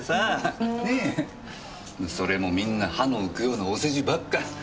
それもみんな歯の浮くようなお世辞ばっか。